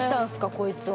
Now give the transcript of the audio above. こいつは。